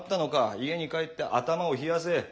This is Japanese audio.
家に帰って頭を冷やせ。